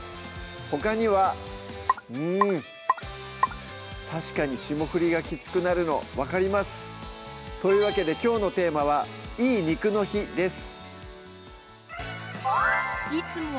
ほかにはうん確かに霜降りがキツくなるの分かりますというわけできょうのテーマは「いい肉の日」です